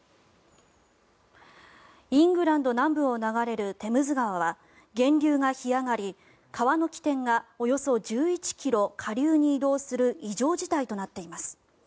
イングランド南部を流れるテムズ川は源流が干上がり、川の起点がおよそ１１ｋｍ下流に移動する異常事態となっています。